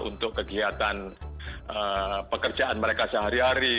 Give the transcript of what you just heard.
untuk kegiatan pekerjaan mereka sehari hari